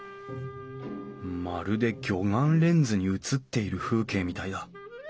まるで魚眼レンズに映っている風景みたいだ。